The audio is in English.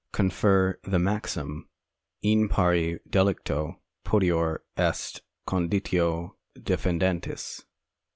Cf. the maxim : In pari delicto potior est conditio defendentis.